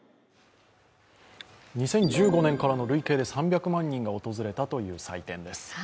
２０１５年からの累計で３００万人が訪れたという祭典です。